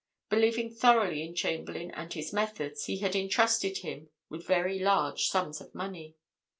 Believing thoroughly in Chamberlayne and his methods, he had entrusted him with very large sums of money.